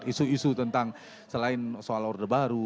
isu isu tentang selain soal orde baru